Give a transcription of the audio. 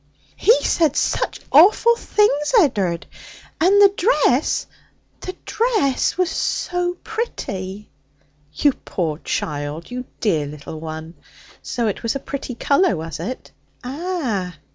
'He said such awful things, Ed'ard, and the dress the dress was so pretty.' 'You poor child! you dear little one! So it was a pretty colour, was it?' 'Ah!'